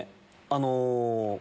あの。